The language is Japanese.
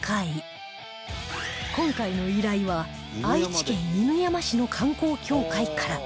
今回の依頼は愛知県犬山市の観光協会から